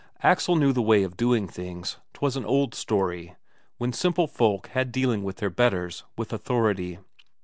Axel knew the way of doing things; 'twas an old story, when simple folk had dealing with their betters, with authority.